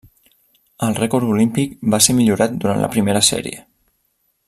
El rècord olímpic va ser millorat durant la primera sèrie.